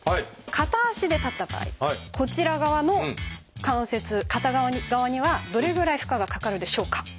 片足で立った場合こちら側の関節片側にはどれぐらい負荷がかかるでしょうか？